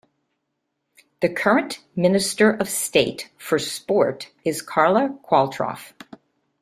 The current Minister of State for Sport is Carla Qualtrough.